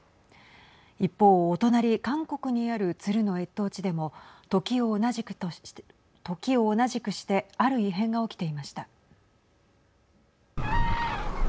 一方お隣、韓国にある鶴の越冬地でも、時を同じくしてある異変が起きていました。